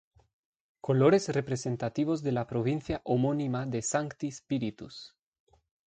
Colores representativos de la Provincia Homónima de Sancti Spíritus.